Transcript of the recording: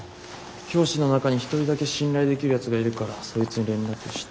教師の中に１人だけ信頼できるやつがいるからそいつに連絡してみて。